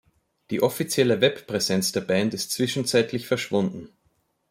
Die offizielle Webpräsenz der Band ist zwischenzeitlich verschwunden.